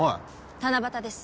七夕です。